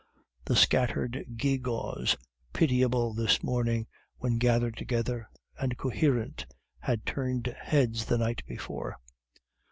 The scattered gewgaws, pitiable this morning, when gathered together and coherent, had turned heads the night before.